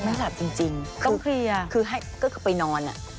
ไม่หลับจริงคือให้ก็คือไปนอน